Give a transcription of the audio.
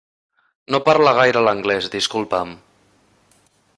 No parle gaire l'anglés, disculpa'm.